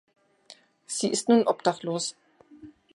Sie ist nun obdachlos.